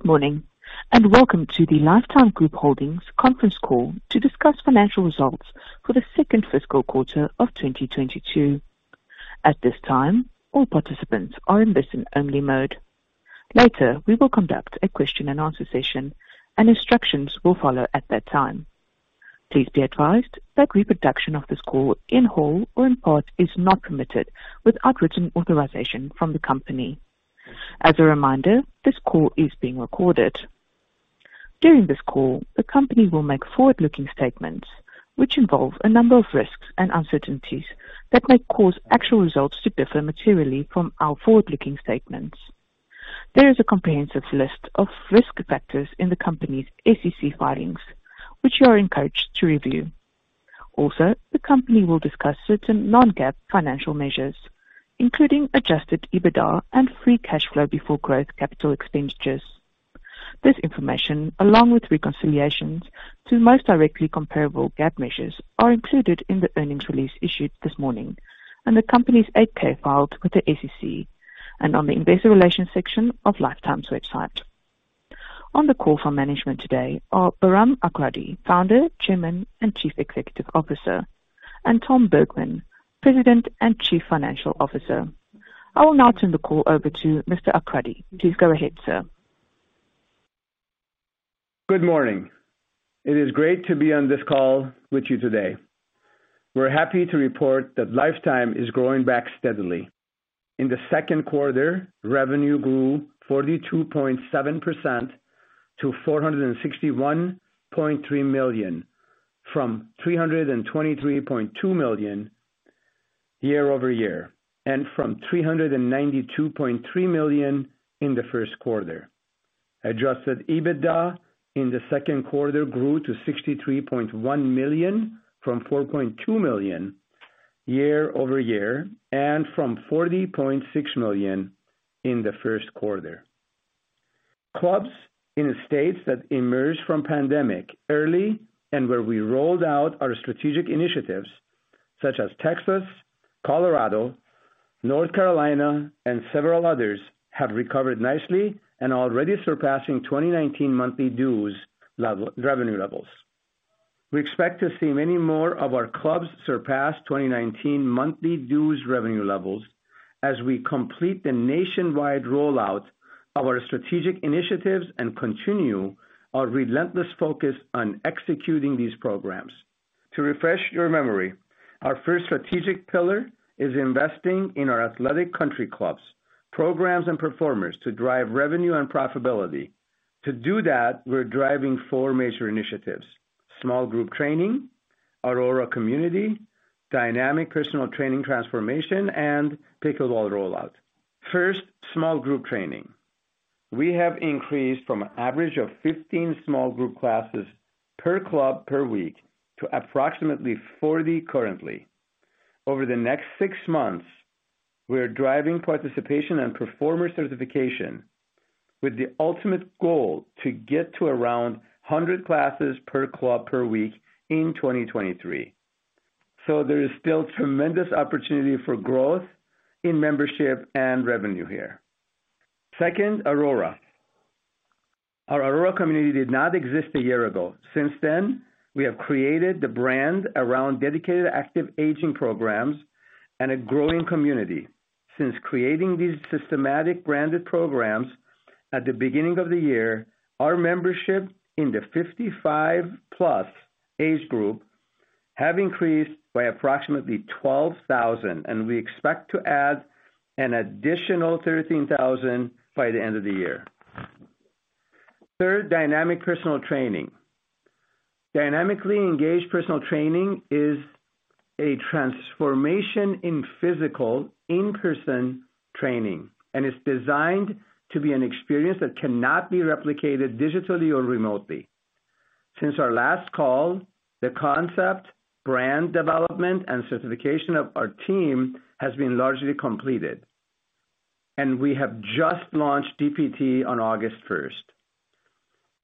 Good morning, and welcome to the Life Time Group Holdings conference call to discuss financial results for the second fiscal quarter of 2022. At this time, all participants are in listen-only mode. Later, we will conduct a question-and-answer session, and instructions will follow at that time. Please be advised that reproduction of this call in whole or in part is not permitted without written authorization from the company. As a reminder, this call is being recorded. During this call, the company will make forward-looking statements which involve a number of risks and uncertainties that may cause actual results to differ materially from our forward-looking statements. There is a comprehensive list of risk factors in the company's SEC filings, which you are encouraged to review. Also, the company will discuss certain non-GAAP financial measures, including Adjusted EBITDA and free cash flow before growth capital expenditures. This information, along with reconciliations to most directly comparable GAAP measures, are included in the earnings release issued this morning and the company's 8-K filed with the SEC and on the investor relations section of Life Time's website. On the call from management today are Bahram Akradi, Founder, Chairman, and Chief Executive Officer, and Tom Bergmann, President and Chief Financial Officer. I will now turn the call over to Mr. Akradi. Please go ahead, sir. Good morning. It is great to be on this call with you today. We're happy to report that Life Time is growing back steadily. In the second quarter, revenue grew 42.7% to $461.3 million from $323.2 million year-over-year, and from $392.3 million in the first quarter. Adjusted EBITDA in the second quarter grew to $63.1 million from $4.2 million year-over-year and from $40.6 million in the first quarter. Clubs in states that emerged from pandemic early and where we rolled out our strategic initiatives such as Texas, Colorado, North Carolina, and several others, have recovered nicely and are already surpassing 2019 monthly dues revenue levels. We expect to see many more of our clubs surpass 2019 monthly dues revenue levels as we complete the nationwide rollout of our strategic initiatives and continue our relentless focus on executing these programs. To refresh your memory, our first strategic pillar is investing in our athletic country clubs, programs, and performers to drive revenue and profitability. To do that, we're driving four major initiatives, small group training, ARORA community, Dynamic Personal Training transformation, and Pickleball rollout. First, small group training. We have increased from an average of 15 small group classes per club per week to approximately 40 currently. Over the next 6 months, we are driving participation and performer certification with the ultimate goal to get to around 100 classes per club per week in 2023. There is still tremendous opportunity for growth in membership and revenue here. Second, ARORA. Our ARORA community did not exist a year ago. Since then, we have created the brand around dedicated active aging programs and a growing community. Since creating these systematic branded programs at the beginning of the year, our membership in the 55-plus age group have increased by approximately 12,000, and we expect to add an additional 13,000 by the end of the year. Third, Dynamic Personal Training. Dynamically engaged personal training is a transformation in physical in-person training, and it's designed to be an experience that cannot be replicated digitally or remotely. Since our last call, the concept, brand development, and certification of our team has been largely completed, and we have just launched DPT on August 1st.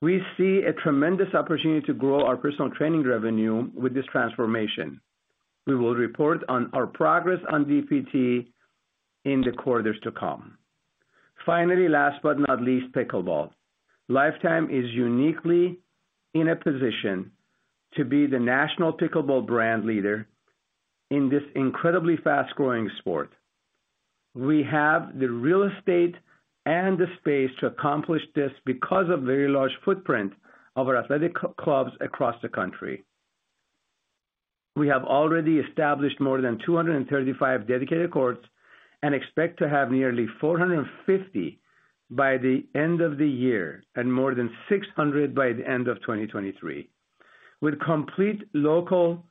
We see a tremendous opportunity to grow our personal training revenue with this transformation. We will report on our progress on DPT in the quarters to come. Finally, last but not least, Pickleball. Life Time is uniquely in a position to be the national Pickleball brand leader in this incredibly fast-growing sport. We have the real estate and the space to accomplish this because of very large footprint of our athletic clubs across the country. We have already established more than 235 dedicated courts and expect to have nearly 450 by the end of the year and more than 600 by the end of 2023, with complete local,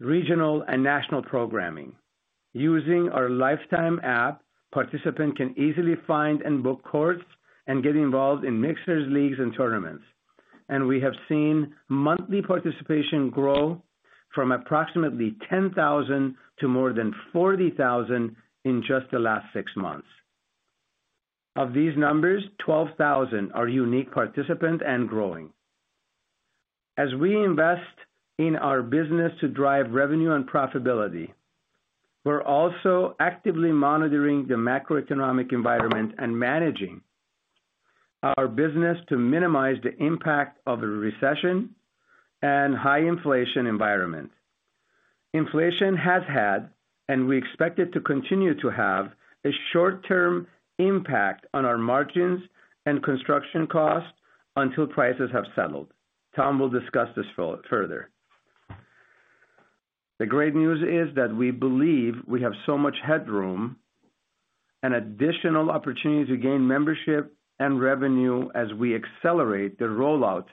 regional, and national programming. Using our Life Time app, participants can easily find and book courts and get involved in mixers, leagues, and tournaments. We have seen monthly participation grow from approximately 10,000 to more than 40,000 in just the last six months. Of these numbers, 12,000 are unique participants and growing. As we invest in our business to drive revenue and profitability, we're also actively monitoring the macroeconomic environment and managing our business to minimize the impact of the recession and high inflation environment. Inflation has had, and we expect it to continue to have, a short-term impact on our margins and construction costs until prices have settled. Tom will discuss this further. The great news is that we believe we have so much headroom and additional opportunities to gain membership and revenue as we accelerate the rollout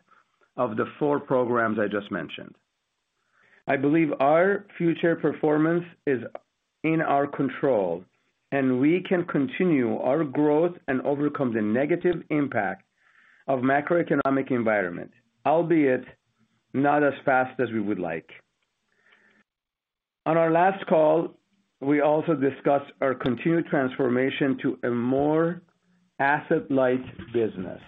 of the four programs I just mentioned. I believe our future performance is in our control, and we can continue our growth and overcome the negative impact of macroeconomic environment, albeit not as fast as we would like. On our last call, we also discussed our continued transformation to a more asset-light business.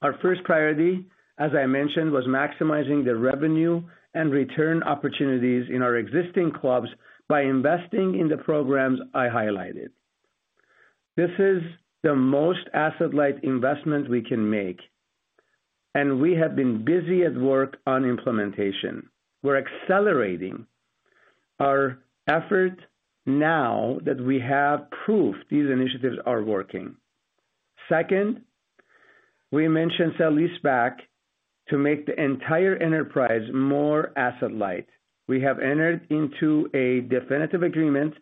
Our first priority, as I mentioned, was maximizing the revenue and return opportunities in our existing clubs by investing in the programs I highlighted. This is the most asset-light investment we can make, and we have been busy at work on implementation. We're accelerating our effort now that we have proof these initiatives are working. Second, we mentioned sale-leaseback to make the entire enterprise more asset-light. We have entered into a definitive agreement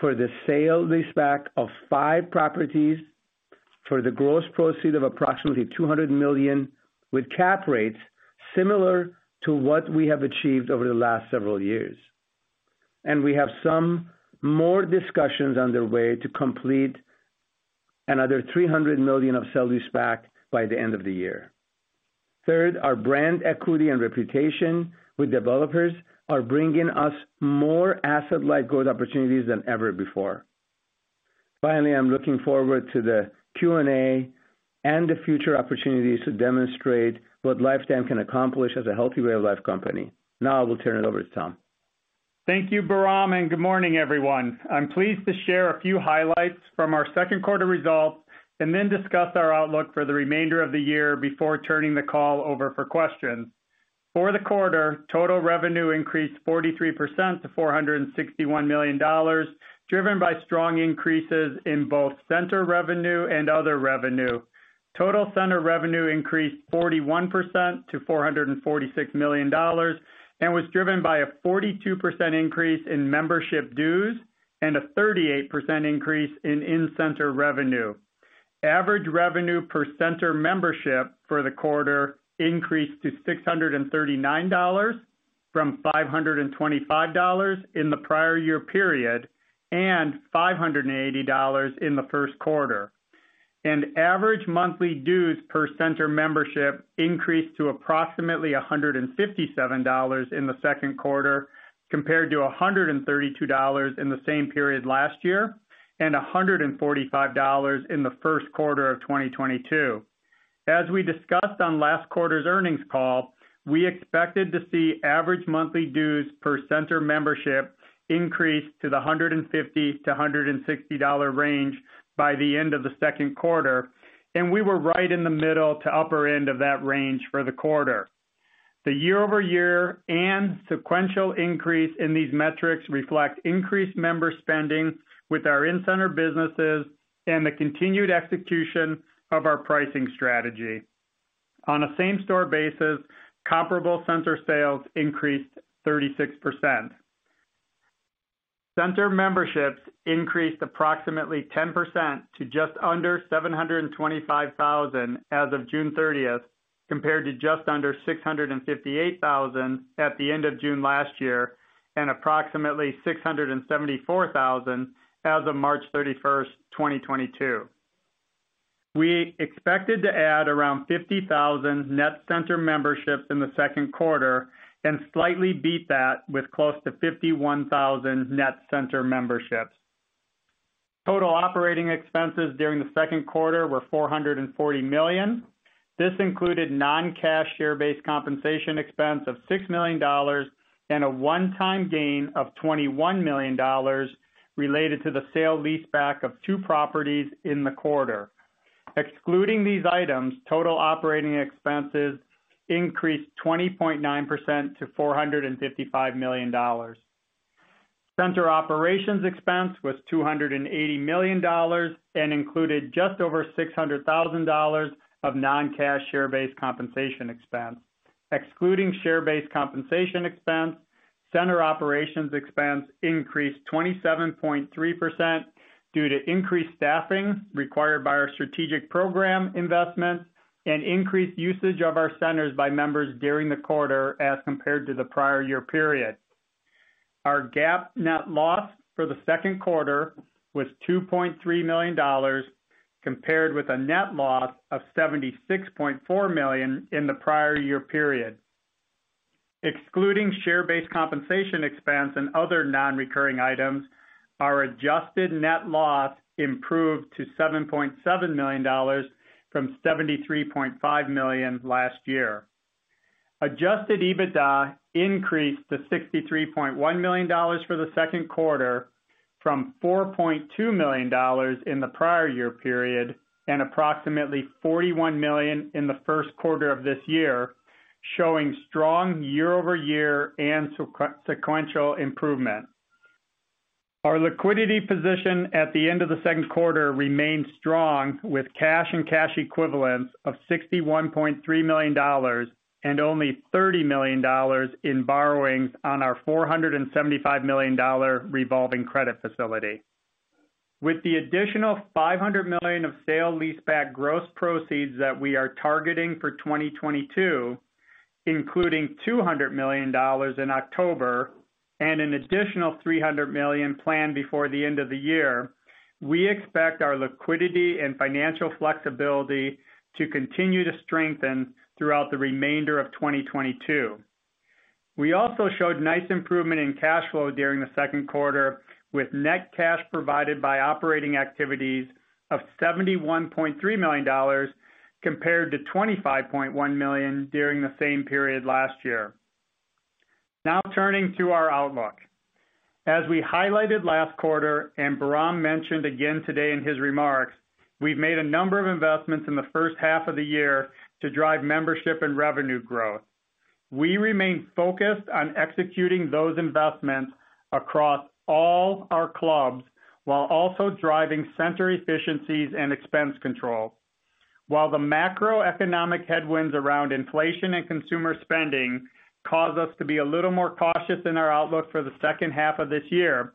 for the sale-leaseback of 5 properties for gross proceeds of approximately $200 million, with cap rates similar to what we have achieved over the last several years. We have some more discussions underway to complete another $300 million of sale-leaseback by the end of the year. Third, our brand equity and reputation with developers are bringing us more asset-light growth opportunities than ever before. Finally, I'm looking forward to the Q&A and the future opportunities to demonstrate what Life Time can accomplish as a healthy way of life company. Now I will turn it over to Tom. Thank you, Bahram, and good morning, everyone. I'm pleased to share a few highlights from our second quarter results and then discuss our outlook for the remainder of the year before turning the call over for questions. For the quarter, total revenue increased 43% to $461 million, driven by strong increases in both center revenue and other revenue. Total center revenue increased 41% to $446 million and was driven by a 42% increase in membership dues and a 38% increase in in-center revenue. Average revenue per center membership for the quarter increased to $639 from $525 in the prior year period, and $580 in the first quarter. Average monthly dues per center membership increased to approximately $157 in the second quarter, compared to $132 in the same period last year, and $145 in the first quarter of 2022. As we discussed on last quarter's earnings call, we expected to see average monthly dues per center membership increase to the $150-$160 range by the end of the second quarter, and we were right in the middle to upper end of that range for the quarter. The year-over-year and sequential increase in these metrics reflect increased member spending with our in-center businesses and the continued execution of our pricing strategy. On a same-store basis, comparable center sales increased 36%. Center memberships increased approximately 10% to just under 725,000 as of June 30th, compared to just under 658,000 at the end of June last year, and approximately 674,000 as of March 31st, 2022. We expected to add around 50,000 net center memberships in the second quarter and slightly beat that with close to 51,000 net center memberships. Total operating expenses during the second quarter were $440 million. This included noncash share-based compensation expense of $6 million and a one-time gain of $21 million related to the sale-leaseback of two properties in the quarter. Excluding these items, total operating expenses increased 20.9% to $455 million. Center operations expense was $280 million and included just over $600,000 of noncash share-based compensation expense. Excluding share-based compensation expense, center operations expense increased 27.3% due to increased staffing required by our strategic program investments and increased usage of our centers by members during the quarter as compared to the prior year period. Our GAAP net loss for the second quarter was $2.3 million, compared with a net loss of $76.4 million in the prior year period. Excluding share-based compensation expense and other non-recurring items, our adjusted net loss improved to $70.7 million from $73.5 million last year. Adjusted EBITDA increased to $63.1 million for the second quarter from $4.2 million in the prior year period and approximately $41 million in the first quarter of this year, showing strong year-over-year and sequential improvement. Our liquidity position at the end of the second quarter remained strong with cash and cash equivalents of $61.3 million and only $30 million in borrowings on our $475 million revolving credit facility. With the additional $500 million of sale-leaseback gross proceeds that we are targeting for 2022, including $200 million in October and an additional $300 million planned before the end of the year, we expect our liquidity and financial flexibility to continue to strengthen throughout the remainder of 2022. We also showed nice improvement in cash flow during the second quarter, with net cash provided by operating activities of $71.3 million compared to $25.1 million during the same period last year. Now turning to our outlook. As we highlighted last quarter and Bahram mentioned again today in his remarks, we've made a number of investments in the first half of the year to drive membership and revenue growth. We remain focused on executing those investments across all our clubs while also driving center efficiencies and expense control. While the macroeconomic headwinds around inflation and consumer spending cause us to be a little more cautious in our outlook for the second half of this year,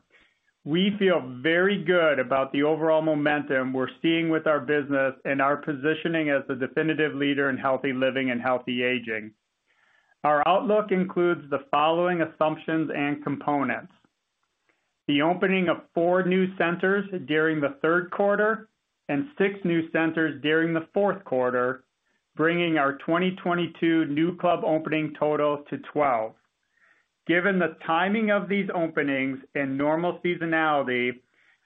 we feel very good about the overall momentum we're seeing with our business and our positioning as the definitive leader in healthy living and healthy aging. Our outlook includes the following assumptions and components. The opening of 4 new centers during the third quarter and six new centers during the fourth quarter, bringing our 2022 new club opening total to 12. Given the timing of these openings and normal seasonality,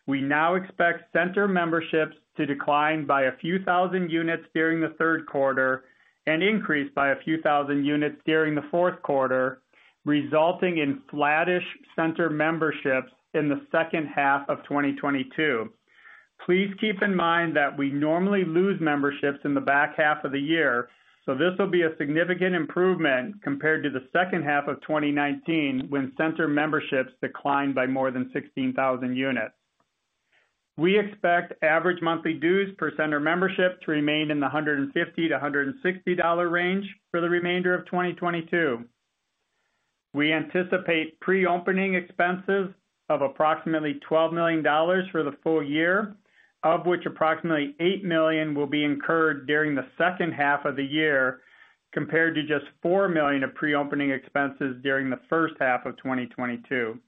we now expect center memberships to decline by a few thousand units during the third quarter and increase by a few thousand units during the fourth quarter, resulting in flattish center memberships in the second half of 2022. Please keep in mind that we normally lose memberships in the back half of the year, so this will be a significant improvement compared to the second half of 2019 when center memberships declined by more than 16,000 units. We expect average monthly dues per center membership to remain in the $150-$160 range for the remainder of 2022. We anticipate pre-opening expenses of approximately $12 million for the full year, of which approximately $8 million will be incurred during the second half of the year, compared to just $4 million of pre-opening expenses during the first half of 2022.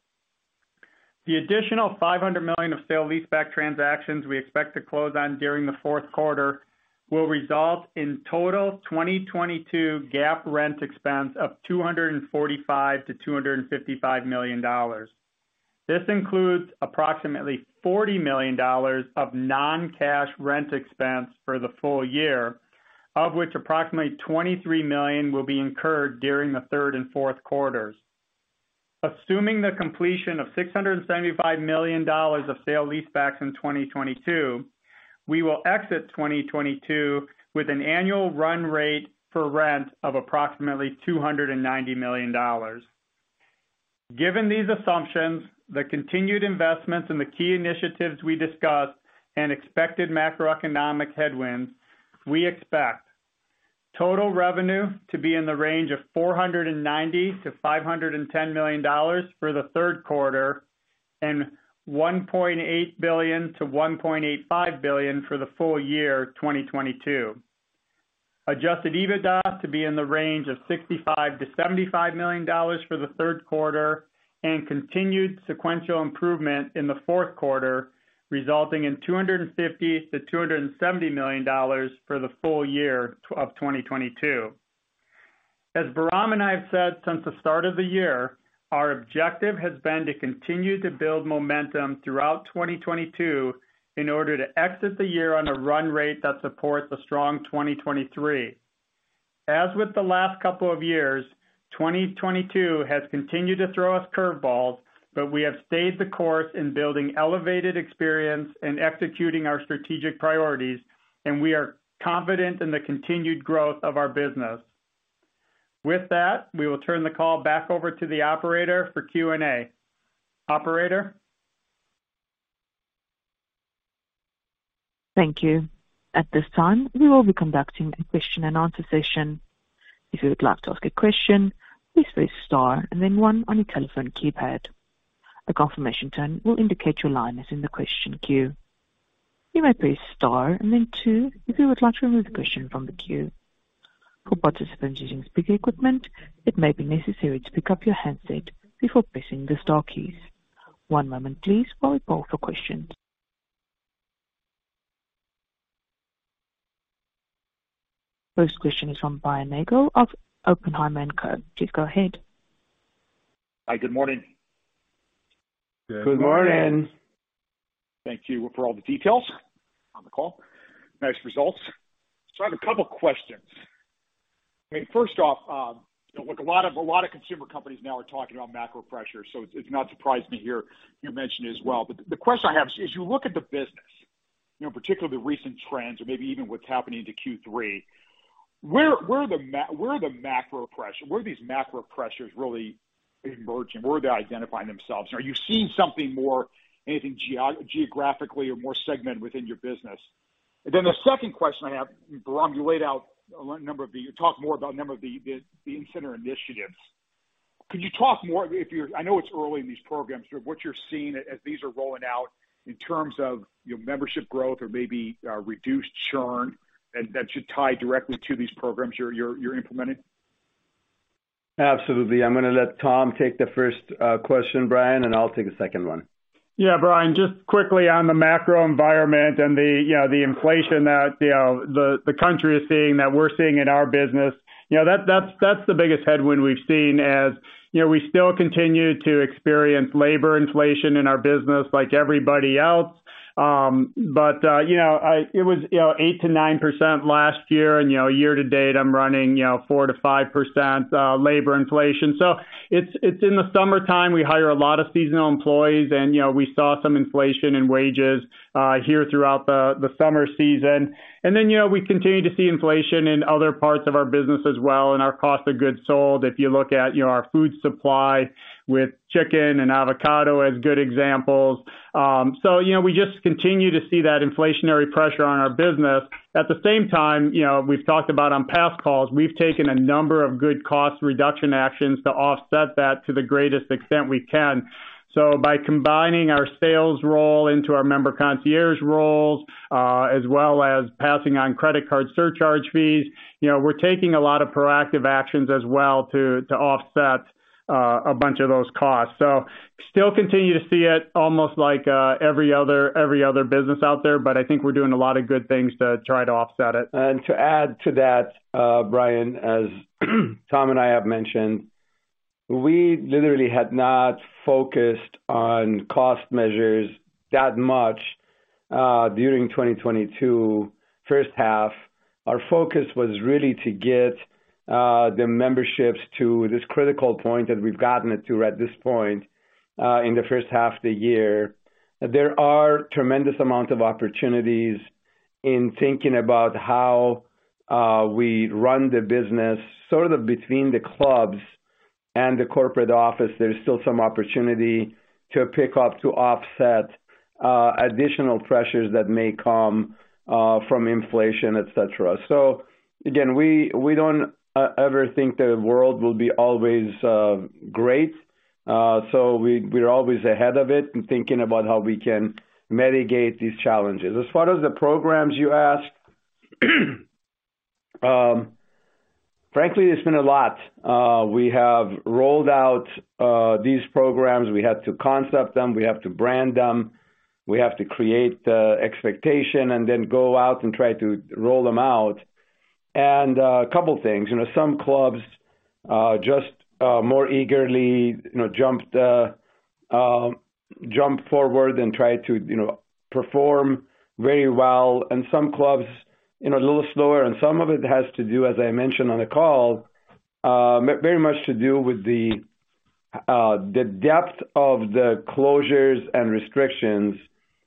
The additional $500 million of sale-leaseback transactions we expect to close on during the fourth quarter will result in total 2022 GAAP rent expense of $245 million-$255 million. This includes approximately $40 million of non-cash rent expense for the full year, of which approximately $23 million will be incurred during the third and fourth quarters. Assuming the completion of $675 million of sale-leasebacks in 2022, we will exit 2022 with an annual run rate for rent of approximately $290 million. Given these assumptions, the continued investments in the key initiatives we discussed and expected macroeconomic headwinds, we expect total revenue to be in the range of $490 million-$510 million for the third quarter and $1.8 billion-$1.85 billion for the full year 2022. Adjusted EBITDA to be in the range of $65 million-$75 million for the third quarter and continued sequential improvement in the fourth quarter, resulting in $250 million-$270 million for the full year of 2022. As Bahram and I have said since the start of the year, our objective has been to continue to build momentum throughout 2022 in order to exit the year on a run rate that supports a strong 2023. As with the last couple of years, 2022 has continued to throw us curveballs, but we have stayed the course in building elevated experience and executing our strategic priorities, and we are confident in the continued growth of our business. With that, we will turn the call back over to the operator for Q&A. Operator? Thank you. At this time, we will be conducting a question and answer session. If you would like to ask a question, please press star and then one on your telephone keypad. A confirmation tone will indicate your line is in the question queue. You may press star and then two if you would like to remove a question from the queue. For participants using speaker equipment, it may be necessary to pick up your handset before pressing the star keys. One moment please while we poll for questions. First question is from Brian Nagel of Oppenheimer & Co. Please go ahead. Hi, good morning. Good morning. Thank you for all the details on the call. Nice results. I have a couple questions. I mean, first off, you know, look, a lot of consumer companies now are talking about macro pressure, so it's not surprising to hear you mention it as well. The question I have is, as you look at the business, you know, particularly the recent trends or maybe even what's happening to Q3, where are the macro pressure? Where are these macro pressures really emerging? Where are they identifying themselves? Are you seeing something more, anything geographically or more segmented within your business? The second question I have, Bahram, you laid out a number of the in-center initiatives. Could you talk more, if you're, I know it's early in these programs, sort of what you're seeing as these are rolling out in terms of your membership growth or maybe, reduced churn that should tie directly to these programs you're implementing? Absolutely. I'm gonna let Tom take the first question, Brian, and I'll take the second one. Yeah, Brian, just quickly on the macro environment and the inflation that the country is seeing that we're seeing in our business. You know, that's the biggest headwind we've seen as you know, we still continue to experience labor inflation in our business like everybody else. It was 8%-9% last year and you know, year to date, I'm running 4%-5% labor inflation. It's in the summertime, we hire a lot of seasonal employees and you know, we saw some inflation in wages here throughout the summer season. You know, we continue to see inflation in other parts of our business as well, in our cost of goods sold. If you look at, you know, our food supply with chicken and avocado as good examples. You know, we just continue to see that inflationary pressure on our business. At the same time, you know, we've talked about on past calls, we've taken a number of good cost reduction actions to offset that to the greatest extent we can. By combining our sales role into our member concierge roles, as well as passing on credit card surcharge fees, you know, we're taking a lot of proactive actions as well to offset a bunch of those costs. Still continue to see it almost like every other business out there, but I think we're doing a lot of good things to try to offset it. Brian, as Tom and I have mentioned, we literally had not focused on cost measures that much during 2022 first half. Our focus was really to get the memberships to this critical point that we've gotten it to at this point in the first half of the year. There are tremendous amount of opportunities in thinking about how we run the business, sort of between the clubs and the corporate office. There's still some opportunity to pick up to offset additional pressures that may come from inflation, et cetera. Again, we don't ever think the world will be always great. We're always ahead of it and thinking about how we can mitigate these challenges. As far as the programs you ask, frankly, it's been a lot. We have rolled out these programs. We have to concept them, we have to brand them, we have to create the expectation and then go out and try to roll them out. A couple things. You know, some clubs just more eagerly, you know, jumped forward and tried to, you know, perform very well. Some clubs, you know, a little slower and some of it has to do, as I mentioned on the call, very much to do with the depth of the closures and restrictions.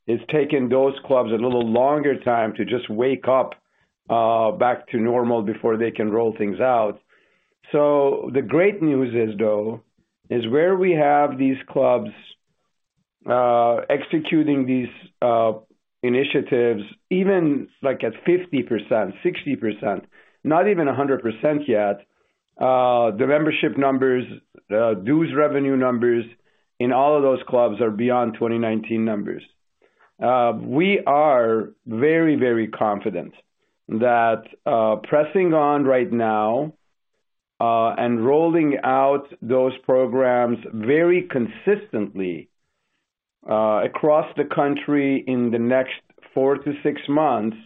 It's taken those clubs a little longer time to just wake up back to normal before they can roll things out. The great news is, though, where we have these clubs executing these initiatives, even like at 50%, 60%, not even 100% yet, the membership numbers, dues revenue numbers in all of those clubs are beyond 2019 numbers. We are very, very confident that pressing on right now and rolling out those programs very consistently across the country in the next 4-6 months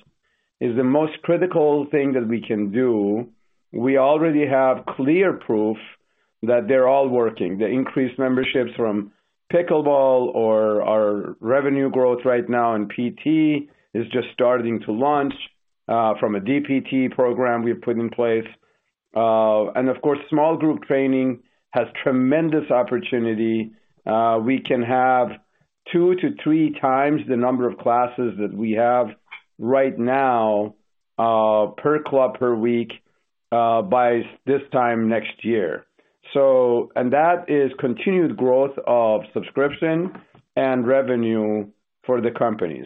is the most critical thing that we can do. We already have clear proof that they're all working. The increased memberships from Pickleball or our revenue growth right now in PT is just starting to launch from a DPT program we've put in place. Of course, small group training has tremendous opportunity. We can have two to three times the number of classes that we have right now, per club, per week, by this time next year. That is continued growth of subscription and revenue for the company.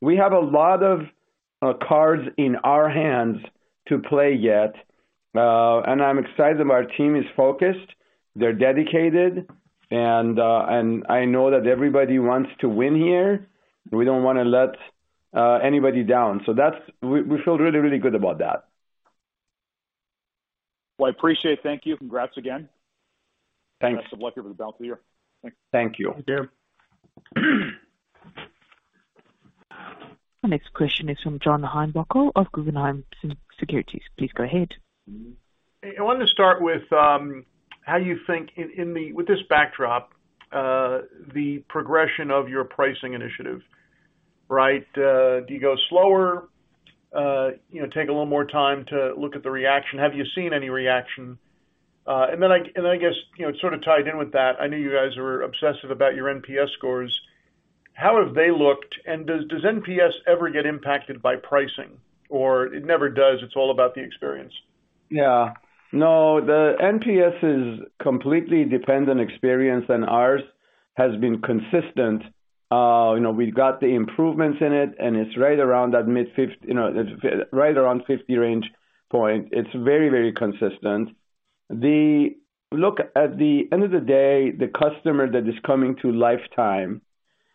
We have a lot of cards in our hands to play yet. I'm excited that our team is focused, they're dedicated, and I know that everybody wants to win here. We don't wanna let anybody down. We feel really good about that. Well, I appreciate. Thank you. Congrats again. Thanks. Best of luck over the balance of the year. Thank you. Thank you. Our next question is from John Heinbockel of Guggenheim Securities. Please go ahead. I wanted to start with how you think with this backdrop, the progression of your pricing initiative, right? Do you go slower? You know, take a little more time to look at the reaction. Have you seen any reaction? And then I guess, you know, sort of tied in with that, I know you guys are obsessive about your NPS scores. How have they looked? And does NPS ever get impacted by pricing or it never does, it's all about the experience? Yeah. No, the NPS is completely dependent on the experience and ours has been consistent. You know, we've got the improvements in it, and it's right around 50 range point. It's very, very consistent. Look, at the end of the day, the customer that is coming to Life Time-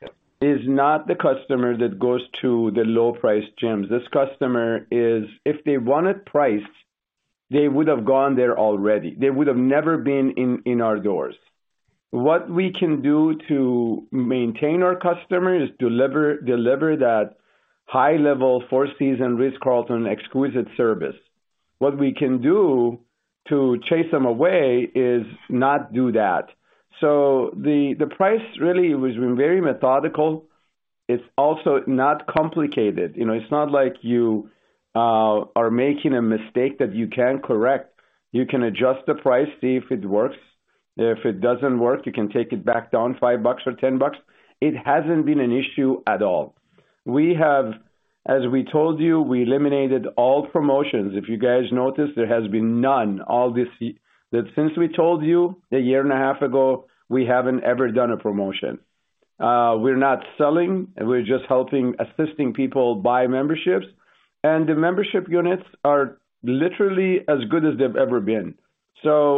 Yep. is not the customer that goes to the low price gyms. This customer is, if they wanted price, they would have gone there already. They would have never been in our doors. What we can do to maintain our customer is deliver that high-level Four Seasons, Ritz-Carlton exquisite service. What we can do to chase them away is not do that. The price really has been very methodical. It's also not complicated. You know, it's not like you are making a mistake that you can't correct. You can adjust the price, see if it works. If it doesn't work, you can take it back down $5 or $10. It hasn't been an issue at all. As we told you, we eliminated all promotions. If you guys noticed, there has been none at all this year that since we told you a year and a half ago, we haven't ever done a promotion. We're not selling, we're just helping, assisting people buy memberships. The membership units are literally as good as they've ever been.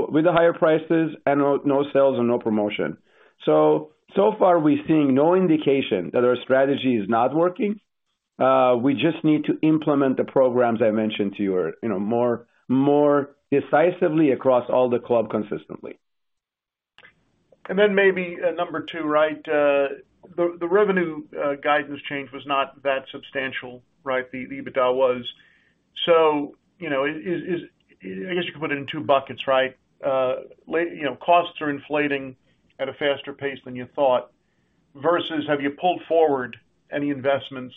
With the higher prices and no sales and no promotion. So far, we're seeing no indication that our strategy is not working. We just need to implement the programs I mentioned to you know, more decisively across all the clubs consistently. Maybe number two, right? The revenue guidance change was not that substantial, right? The EBITDA was. You know, I guess you could put it in two buckets, right? You know, costs are inflating at a faster pace than you thought, versus have you pulled forward any investments,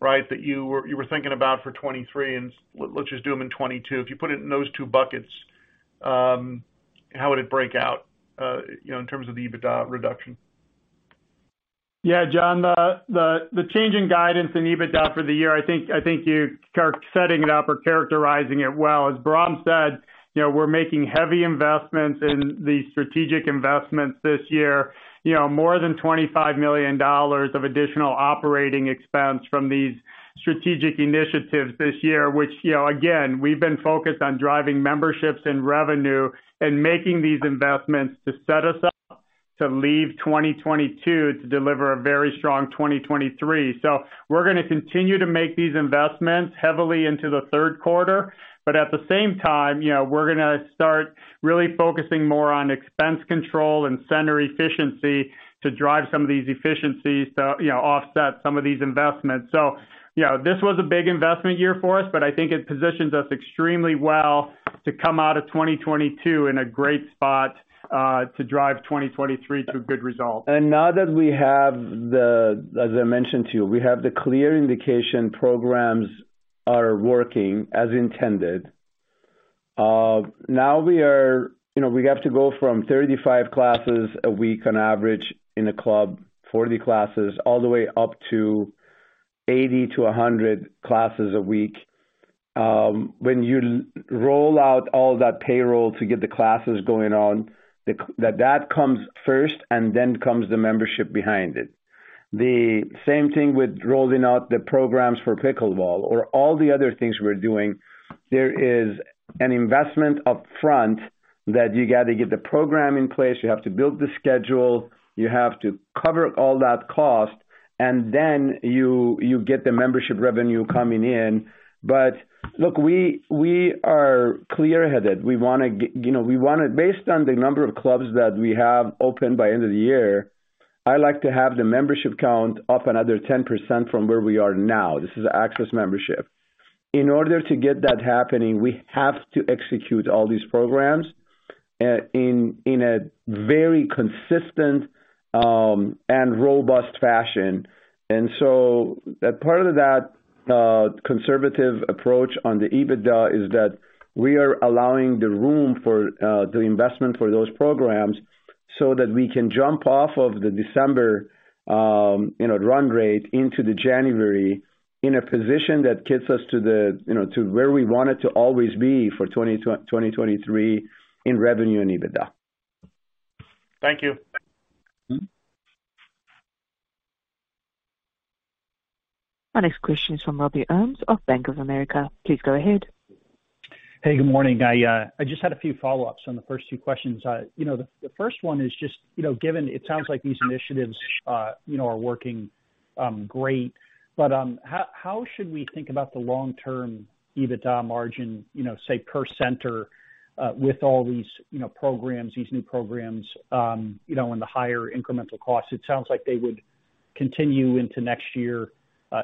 right? That you were thinking about for 2023, and let's just do them in 2022. If you put it in those two buckets, how would it break out, you know, in terms of the EBITDA reduction? Yeah, John. The change in guidance in EBITDA for the year, I think you're characterizing it well. As Bahram said, you know, we're making heavy investments in the strategic investments this year. You know, more than $25 million of additional operating expense from these strategic initiatives this year, which, you know, again, we've been focused on driving memberships and revenue and making these investments to set us up to leave 2022 to deliver a very strong 2023. We're gonna continue to make these investments heavily into the third quarter, but at the same time, you know, we're gonna start really focusing more on expense control and center efficiency to drive some of these efficiencies to, you know, offset some of these investments. You know, this was a big investment year for us, but I think it positions us extremely well to come out of 2022 in a great spot to drive 2023 to a good result. Now that we have, as I mentioned to you, the clear indication programs are working as intended. Now we are, you know, we have to go from 35 classes a week on average in a club, 40 classes, all the way up to 80 to 100 classes a week. When you roll out all that payroll to get the classes going on, that comes first and then comes the membership behind it. The same thing with rolling out the programs for Pickleball or all the other things we're doing. There is an investment up front that you got to get the program in place, you have to build the schedule, you have to cover all that cost, and then you get the membership revenue coming in. Look, we are clear-headed. We want, you know, based on the number of clubs that we have open by end of the year, I like to have the membership count up another 10% from where we are now. This is the access membership. In order to get that happening, we have to execute all these programs in a very consistent and robust fashion. A part of that conservative approach on the EBITDA is that we are allowing the room for the investment for those programs so that we can jump off of the December run rate into the January in a position that gets us to where we want it to always be for 2023 in revenue and EBITDA. Thank you. Mm-hmm. Our next question is from Robert Ohmes of Bank of America. Please go ahead. Hey, good morning. I just had a few follow-ups on the first two questions. You know, the first one is just, you know, given it sounds like these initiatives, you know, are working great. How should we think about the long-term EBITDA margin, you know, say per center, with all these, you know, programs, these new programs, you know, and the higher incremental costs? It sounds like they would continue into next year,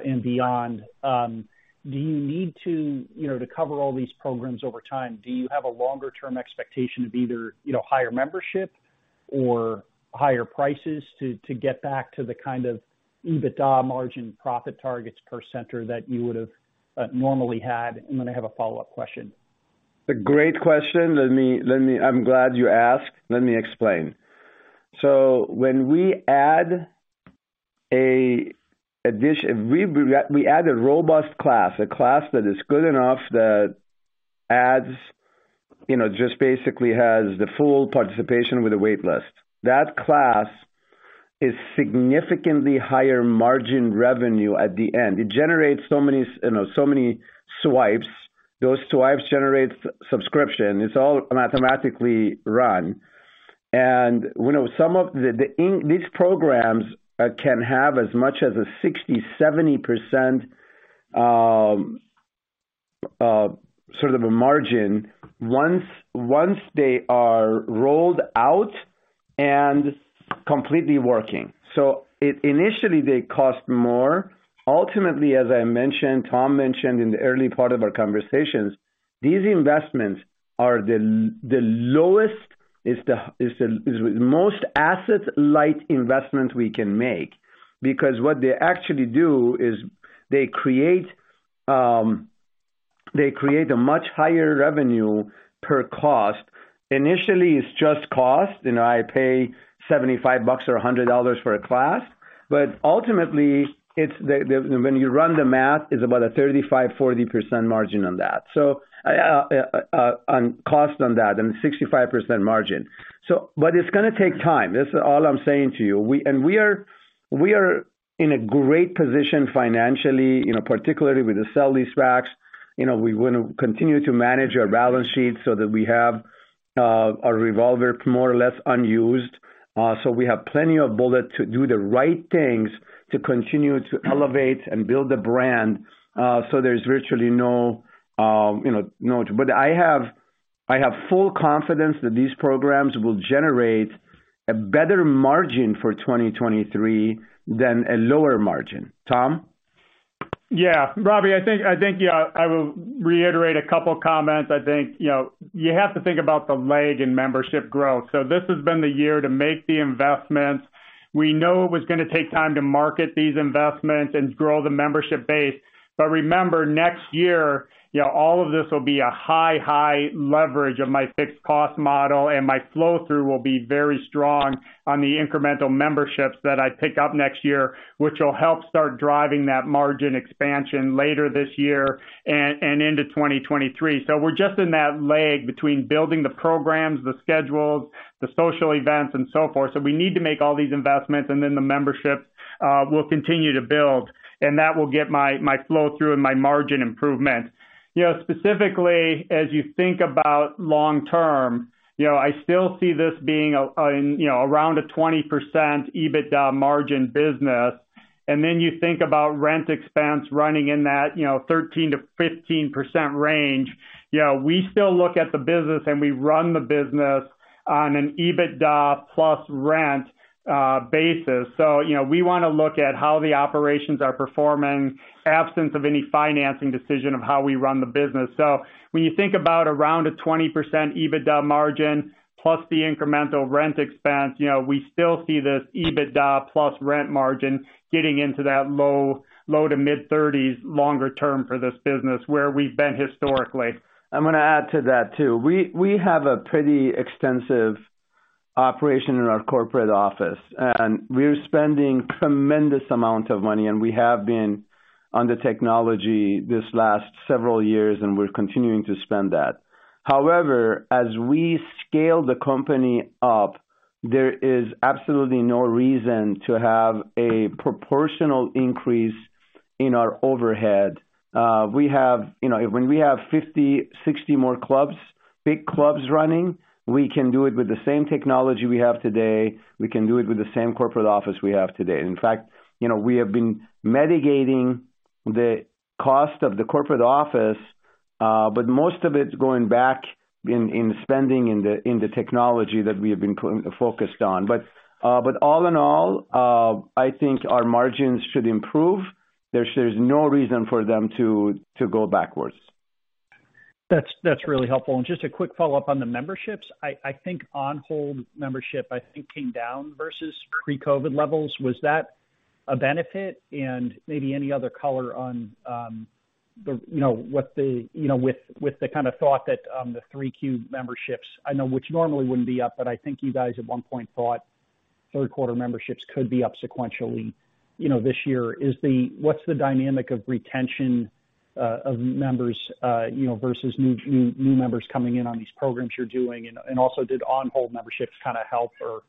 and beyond. You know, to cover all these programs over time, do you have a longer term expectation of either, you know, higher membership or higher prices to get back to the kind of EBITDA margin profit targets per center that you would have normally had? I have a follow-up question. A great question. Let me. I'm glad you asked. Let me explain. When we add an addition we add a robust class, a class that is good enough that adds, you know, just basically has the full participation with a wait list. That class is significantly higher margin revenue at the end. It generates so many you know, so many swipes. Those swipes generates subscription. It's all mathematically run. We know some of the These programs can have as much as a 60%-70% sort of a margin once they are rolled out and completely working. It initially they cost more. Ultimately, as I mentioned, Tom mentioned in the early part of our conversations, these investments are the lowest is the most asset light investment we can make. Because what they actually do is they create a much higher revenue per cost. Initially, it's just cost. You know, I pay $75 or $100 for a class. Ultimately, it's the when you run the math, it's about a 35%-40% margin on that. On cost on that and 65% margin. It's gonna take time. This is all I'm saying to you. We are in a great position financially, you know, particularly with the sale-leasebacks. You know, we wanna continue to manage our balance sheet so that we have our revolver more or less unused. We have plenty of bullet to do the right things to continue to elevate and build the brand, so there's virtually no you know no. I have full confidence that these programs will generate a better margin for 2023 than a lower margin. Tom? Yeah. Robbie, I think yeah, I will reiterate a couple comments. I think, you know, you have to think about the lag in membership growth. This has been the year to make the investments. We know it was gonna take time to market these investments and grow the membership base. Remember next year, you know, all of this will be a high leverage of my fixed cost model, and my flow through will be very strong on the incremental memberships that I pick up next year, which will help start driving that margin expansion later this year and into 2023. We're just in that lag between building the programs, the schedules, the social events, and so forth. We need to make all these investments and then the membership will continue to build, and that will get my flow through and my margin improvement. You know, specifically as you think about long term, you know, I still see this being a, you know, around a 20% EBITDA margin business. And then you think about rent expense running in that, you know, 13%-15% range. You know, we still look at the business and we run the business on an EBITDA plus rent basis. You know, we wanna look at how the operations are performing, absence of any financing decision of how we run the business. when you think about around a 20% EBITDA margin plus the incremental rent expense, you know, we still see this EBITDA plus rent margin getting into that low- to mid-30s% longer term for this business where we've been historically. I'm gonna add to that too. We have a pretty extensive operation in our corporate office, and we're spending tremendous amount of money, and we have been on the technology this last several years, and we're continuing to spend that. However, as we scale the company up, there is absolutely no reason to have a proportional increase in our overhead. You know, when we have 50, 60 more clubs, big clubs running, we can do it with the same technology we have today. We can do it with the same corporate office we have today. In fact, you know, we have been mitigating the cost of the corporate office, but most of it's going back in spending in the technology that we have been focused on. All in all, I think our margins should improve. There's no reason for them to go backwards. That's really helpful. Just a quick follow-up on the memberships. I think on-hold membership came down versus pre-COVID levels. Was that a benefit? Maybe any other color on the kind of thought that the Q3 memberships, I know which normally wouldn't be up, but I think you guys at one point thought third quarter memberships could be up sequentially, you know, this year. What's the dynamic of retention of members, you know, versus new members coming in on these programs you're doing? Also did on-hold memberships kinda help or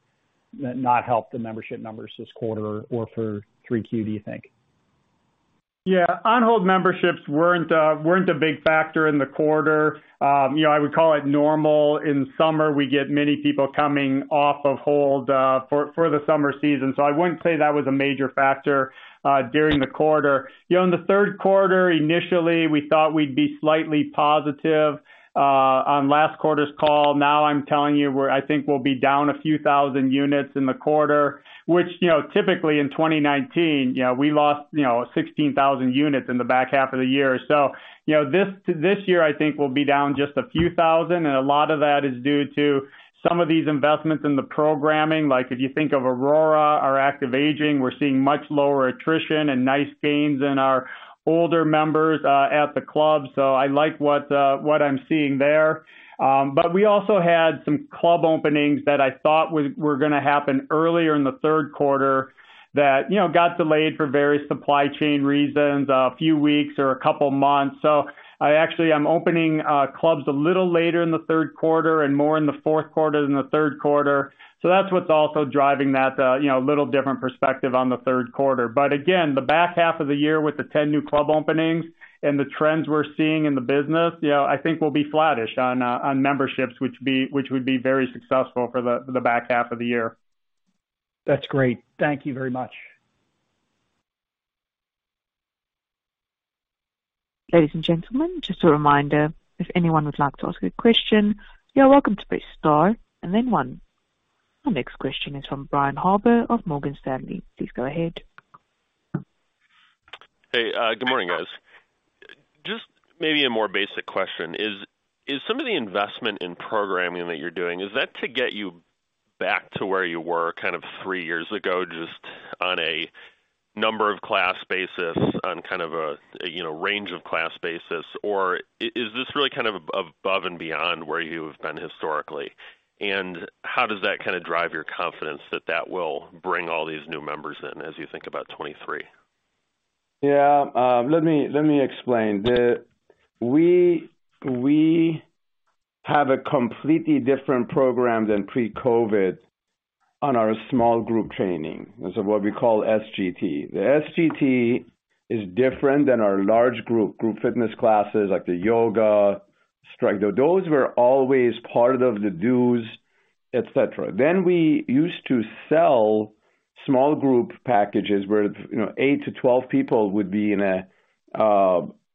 not help the membership numbers this quarter or for Q3, do you think? Yeah, on-hold memberships weren't a big factor in the quarter. You know, I would call it normal. In summer, we get many people coming off of hold for the summer season. I wouldn't say that was a major factor during the quarter. You know, in the third quarter, initially, we thought we'd be slightly positive on last quarter's call. Now I'm telling you where I think we'll be down a few thousand units in the quarter, which, you know, typically in 2019, you know, we lost 16,000 units in the back half of the year. You know, this year, I think we'll be down just a few thousand, and a lot of that is due to some of these investments in the programming. Like, if you think of ARORA, our active aging, we're seeing much lower attrition and nice gains in our older members at the club. I like what I'm seeing there. But we also had some club openings that I thought were gonna happen earlier in the third quarter that got delayed for various supply chain reasons, a few weeks or a couple months. I actually am opening clubs a little later in the third quarter and more in the fourth quarter than the third quarter. That's what's also driving that, a little different perspective on the third quarter. Again, the back half of the year with the 10 new club openings and the trends we're seeing in the business, you know, I think we'll be flattish on memberships, which would be very successful for the back half of the year. That's great. Thank you very much. Ladies and gentlemen, just a reminder, if anyone would like to ask a question, you're welcome to press star and then one. Our next question is from Brian Harbour of Morgan Stanley. Please go ahead. Hey, good morning, guys. Just maybe a more basic question. Is some of the investment in programming that you're doing, is that to get you back to where you were kind of three years ago, just on a number of class basis, on kind of a, you know, range of class basis? Or is this really kind of above and beyond where you've been historically? How does that kinda drive your confidence that that will bring all these new members in as you think about 2023? Yeah, let me explain. We have a completely different program than pre-COVID on our small group training. Those are what we call SGT. The SGT is different than our large group fitness classes like the yoga, strength. Those were always part of the dues, et cetera. Then we used to sell small group packages where, you know, eight to 12 people would be in a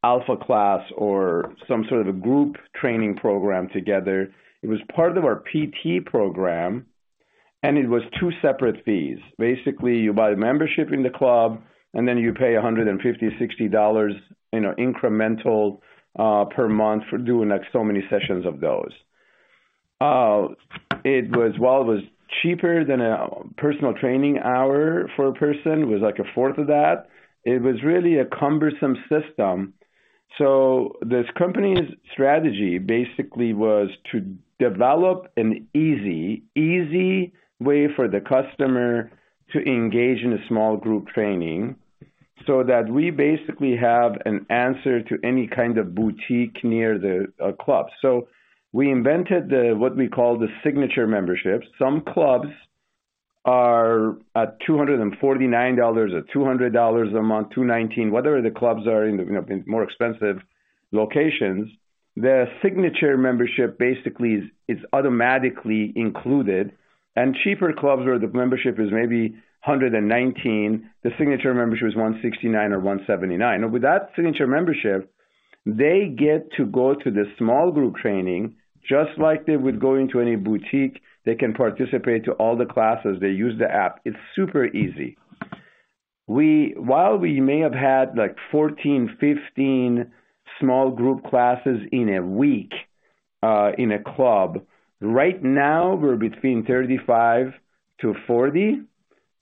Alpha class or some sort of a group training program together. It was part of our PT program, and it was two separate fees. Basically, you buy a membership in the club, and then you pay $150-160, you know, incremental per month for doing, like, so many sessions of those. It was cheaper than a personal training hour for a person, while it was like a fourth of that. It was really a cumbersome system. This company's strategy basically was to develop an easy way for the customer to engage in a small group training so that we basically have an answer to any kind of boutique near the club. We invented what we call the Signature Membership. Some clubs are at $249 or $200 a month, $219. Whether the clubs are in, you know, in more expensive locations, the Signature Membership basically is automatically included. Cheaper clubs where the membership is maybe $119, the Signature Membership is $169 or $179. With that Signature Membership, they get to go to the small group training just like they would go into any boutique. They can participate in all the classes. They use the app. It's super easy. While we may have had, like, 14, 15 small group classes in a week in a club, right now we're between 35-40,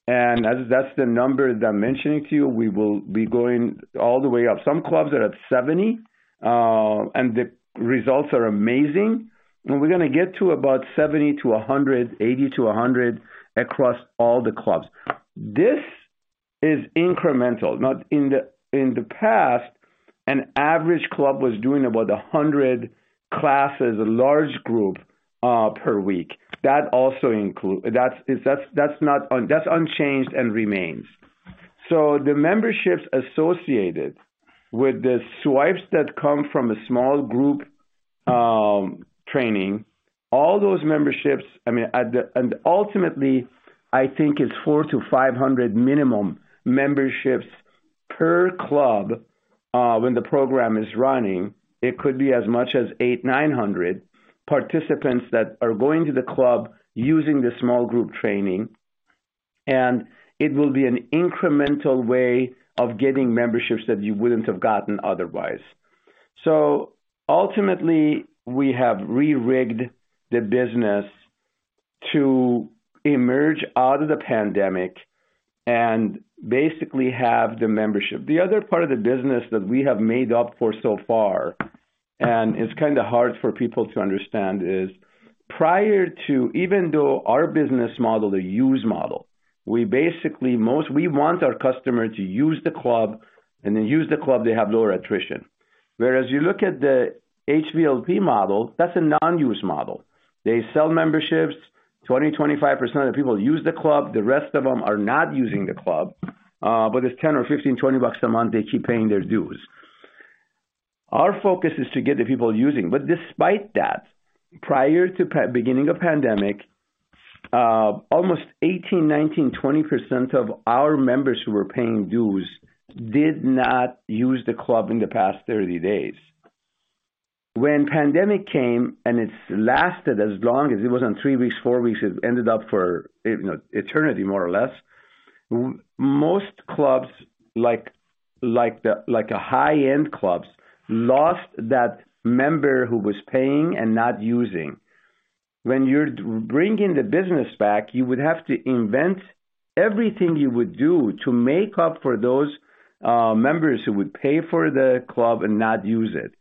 and that's the number that I'm mentioning to you. We will be going all the way up. Some clubs are at 70, and the results are amazing. We're gonna get to about 70-100, 80-100 across all the clubs. This is incremental, not. In the past, an average club was doing about 100 classes, a large group, per week. That's not. That's unchanged and remains. The memberships associated with the swipes that come from a small group training, all those memberships, I mean, ultimately, I think it's 400-500 minimum memberships per club when the program is running. It could be as much as 800-900 participants that are going to the club using the small group training, and it will be an incremental way of getting memberships that you wouldn't have gotten otherwise. Ultimately, we have re-rigged the business to emerge out of the pandemic and basically have the membership. The other part of the business that we have made up for so far, and it's kinda hard for people to understand, is even though our business model, the use model, we want our customer to use the club, and they use the club, they have lower attrition. Whereas you look at the HVLP model, that's a non-use model. They sell memberships, 20, 25% of the people use the club, the rest of them are not using the club, but it's $10 or $15, $20 a month, they keep paying their dues. Our focus is to get the people using. Despite that, prior to beginning of pandemic, almost 18, 19, 20% of our members who were paying dues did not use the club in the past 30 days. When pandemic came, and it's lasted as long as it wasn't three weeks, four weeks, it ended up, you know, eternity, more or less. Most clubs like the high-end clubs lost that member who was paying and not using. When you're bringing the business back, you would have to invent everything you would do to make up for those members who would pay for the club and not use it.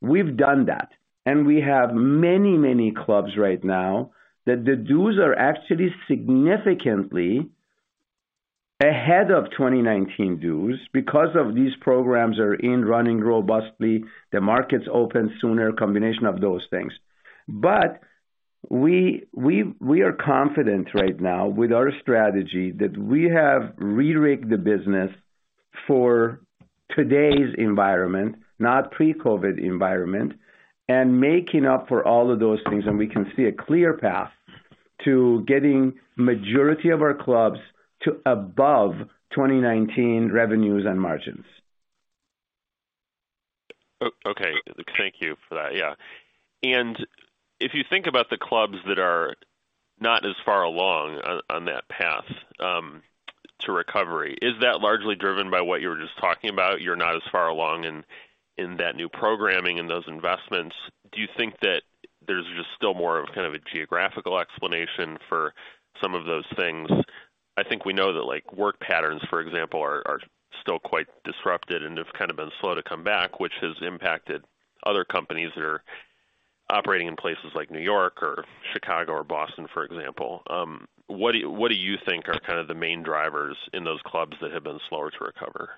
We've done that, and we have many clubs right now that the dues are actually significantly ahead of 2019 dues because these programs are running robustly, the market's open sooner, combination of those things. We are confident right now with our strategy that we have re-rigged the business for today's environment, not pre-COVID environment, and making up for all of those things, and we can see a clear path to getting majority of our clubs to above 2019 revenues and margins. Okay. Thank you for that. Yeah. If you think about the clubs that are not as far along on that path to recovery, is that largely driven by what you were just talking about? You're not as far along in that new programming and those investments. Do you think that there's just still more of kind of a geographical explanation for some of those things? I think we know that, like, work patterns, for example, are still quite disrupted and have kind of been slow to come back, which has impacted other companies that are operating in places like New York or Chicago or Boston, for example. What do you think are kind of the main drivers in those clubs that have been slower to recover?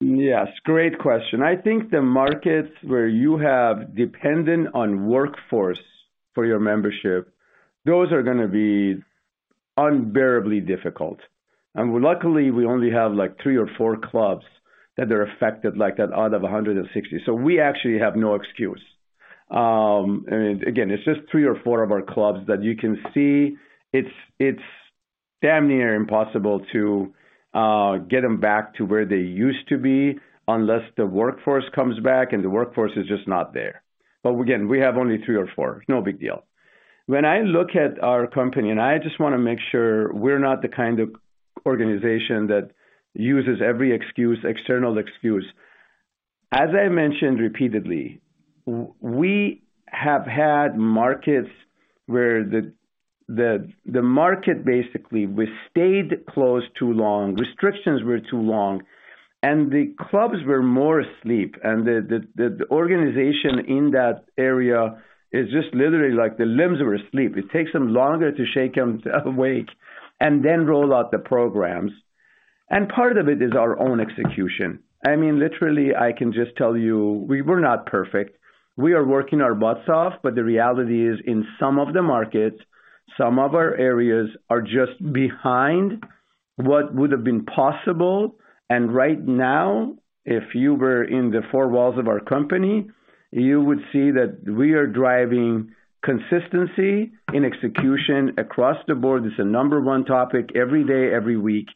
Yes, great question. I think the markets where you're dependent on workforce for your membership, those are gonna be unbearably difficult. Luckily, we only have, like, three or four clubs that are affected like that out of 160. We actually have no excuse. Again, it's just three or four of our clubs that you can see it's damn near impossible to get them back to where they used to be unless the workforce comes back and the workforce is just not there. Again, we have only three or four. No big deal. When I look at our company and I just wanna make sure we're not the kind of organization that uses every excuse, external excuse. As I mentioned repeatedly, we have had markets where the market basically we stayed closed too long, restrictions were too long, and the clubs were more asleep, and the organization in that area is just literally like the limbs were asleep. It takes them longer to shake them to awake and then roll out the programs. Part of it is our own execution. I mean, literally, I can just tell you we were not perfect. We are working our butts off, but the reality is, in some of the markets, some of our areas are just behind what would have been possible. Right now, if you were in the four walls of our company, you would see that we are driving consistency in execution across the board. It's a number one topic every day, every week.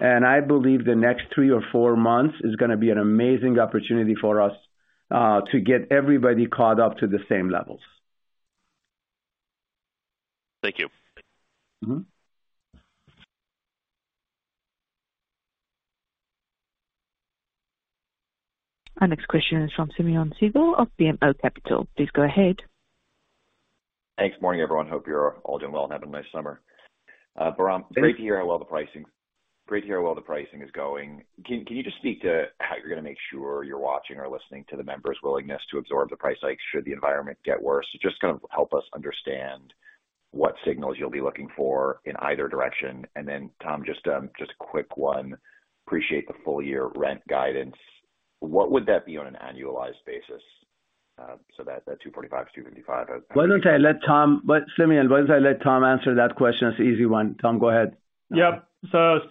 I believe the next three or four months is gonna be an amazing opportunity for us to get everybody caught up to the same levels. Thank you. Mm-hmm. Our next question is from Simeon Siegel of BMO Capital. Please go ahead. Thanks. Morning, everyone. Hope you're all doing well and having a nice summer. Bahram. Thank you. Great to hear how well the pricing is going. Can you just speak to how you're gonna make sure you're watching or listening to the members' willingness to absorb the price hike should the environment get worse? Just kind of help us understand what signals you'll be looking for in either direction. Tom, just a quick one. Appreciate the full year rent guidance. What would that be on an annualized basis? That $245-$255. Simeon, why don't I let Tom answer that question? It's an easy one. Tom, go ahead. Yep.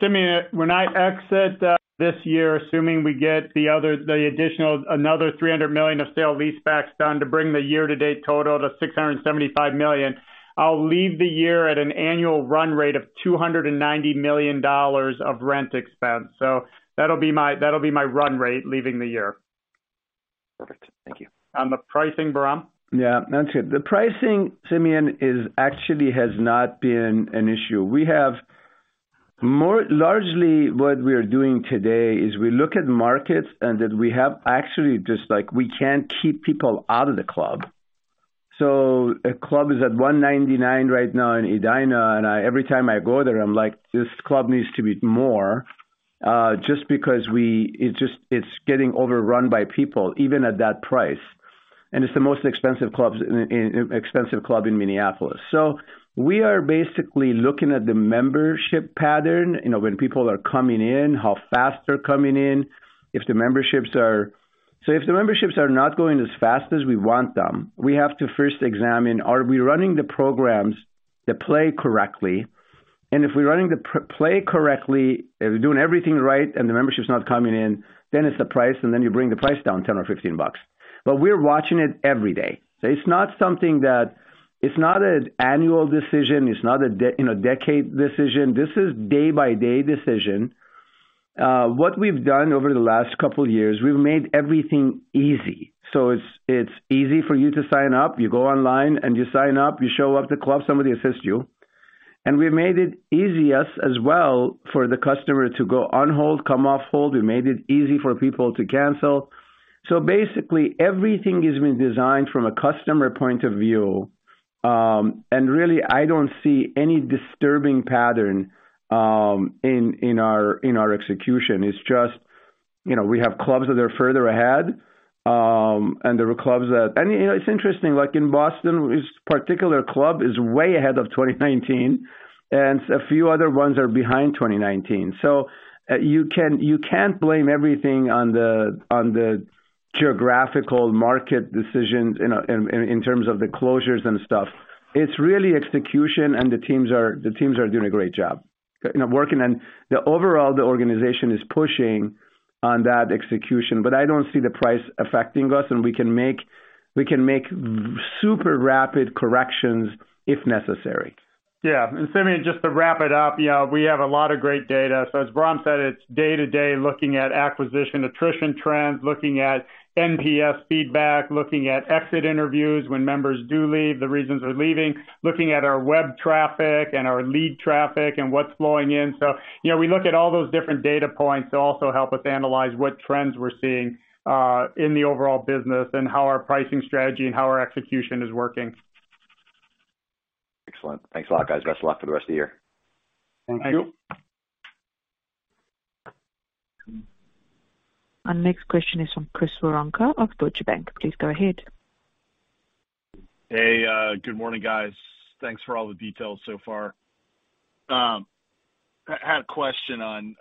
Simeon, when I exit this year, assuming we get the additional $300 million of sale-leasebacks done to bring the year-to-date total to $675 million, I'll leave the year at an annual run rate of $290 million of rent expense. That'll be my run rate leaving the year. Perfect. Thank you. On the pricing, Bahram? Yeah, that's it. The pricing, Simeon, is actually has not been an issue. Largely what we are doing today is we look at markets and that we have actually just like we can't keep people out of the club. A club is at $199 right now in Edina, and every time I go there, I'm like, "This club needs to be more," just because it just it's getting overrun by people even at that price. It's the most expensive club in Minneapolis. We are basically looking at the membership pattern, you know, when people are coming in, how fast they're coming in. If the memberships are not going as fast as we want them, we have to first examine, are we running the programs, the play correctly? If we're running the pr-play correctly, if we're doing everything right and the membership's not coming in, then it's the price, and then you bring the price down $10 or $15. We're watching it every day. It's not something that. It's not an annual decision. It's not a, you know, decade decision. This is day by day decision. What we've done over the last couple years, we've made everything easy. It's easy for you to sign up. You go online and you sign up. You show up to club, somebody assists you. We made it easiest as well for the customer to go on hold, come off hold. We made it easy for people to cancel. Basically everything has been designed from a customer point of view, and really, I don't see any disturbing pattern in our execution. It's just, you know, we have clubs that are further ahead. You know, it's interesting, like in Boston, this particular club is way ahead of 2019 and a few other ones are behind 2019. You can't blame everything on the geographical market decisions, you know, in terms of the closures and stuff. It's really execution and the teams are doing a great job. You know, working and the overall organization is pushing on that execution, but I don't see the price affecting us and we can make very super rapid corrections if necessary. Yeah. Simeon, just to wrap it up, you know, we have a lot of great data. As Bahram said, it's day-to-day looking at acquisition attrition trends, looking at NPS feedback, looking at exit interviews when members do leave, the reasons they're leaving. Looking at our web traffic and our lead traffic and what's flowing in. You know, we look at all those different data points to also help us analyze what trends we're seeing in the overall business and how our pricing strategy and how our execution is working. Excellent. Thanks a lot, guys. Best of luck for the rest of the year. Thank you. Thank you. Our next question is from Chris Woronka of Deutsche Bank. Please go ahead. Hey, good morning, guys. Thanks for all the details so far. I had a question on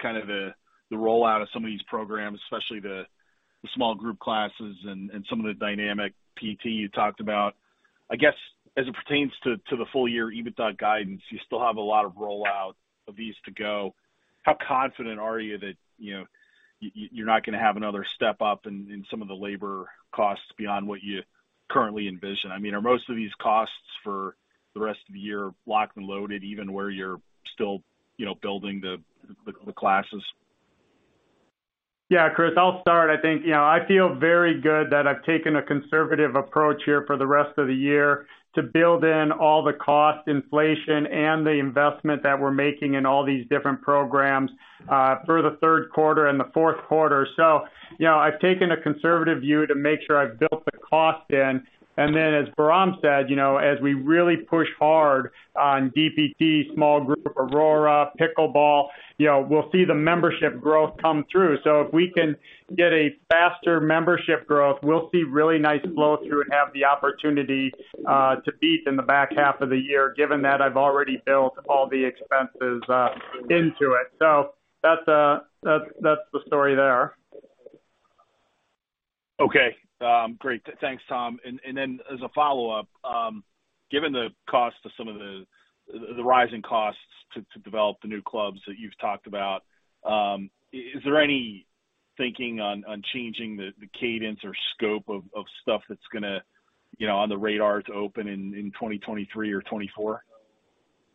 kind of the rollout of some of these programs, especially the small group classes and some of the dynamic PT you talked about. I guess as it pertains to the full year EBITDA guidance, you still have a lot of rollout of these to go. How confident are you that, you know, you're not gonna have another step up in some of the labor costs beyond what you currently envision? I mean, are most of these costs for the rest of the year locked and loaded even where you're still, you know, building the classes? Yeah, Chris, I'll start. I think, you know, I feel very good that I've taken a conservative approach here for the rest of the year to build in all the cost inflation and the investment that we're making in all these different programs, for the third quarter and the fourth quarter. You know, I've taken a conservative view to make sure I've built the cost in. As Bahram said, you know, as we really push hard on DPT, small group ARORA, Pickleball, you know, we'll see the membership growth come through. If we can get a faster membership growth, we'll see really nice flow through and have the opportunity, to beat in the back half of the year, given that I've already built all the expenses, into it. That's the story there. Okay. Great. Thanks, Tom. Then as a follow-up, given the cost of some of the rising costs to develop the new clubs that you've talked about, is there any thinking on changing the cadence or scope of stuff that's gonna, you know, on the radar to open in 2023 or 2024?